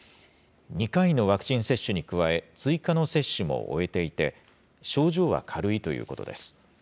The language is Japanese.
２回のワクチン接種に加え、追加の接種も終えていて、症状は軽いということです。